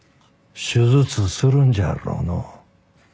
手術するんじゃろうの？